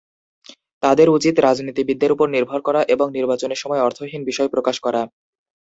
তাদের উচিত রাজনীতিবিদদের উপর নির্ভর করা এবং নির্বাচনের সময় অর্থহীন বিষয় প্রকাশ করা।